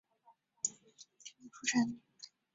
岩手县盛冈市出身。